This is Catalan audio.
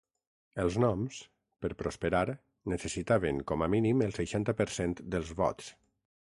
Els noms, per prosperar, necessitaven com a mínim el seixanta per cent dels vots.